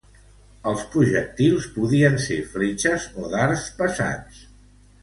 Els projectils podien ser fletxes o dards pesats.